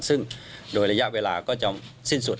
ซึ่งโดยระยะเวลาก็จะสิ้นสุด